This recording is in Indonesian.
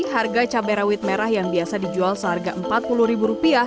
harga cabai rawit merah yang biasa dijual seharga rp empat puluh